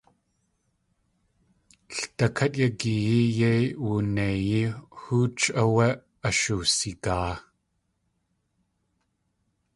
Ldakát yagiyee yéi wuneiyí hóoch áwé ashoowsigaa.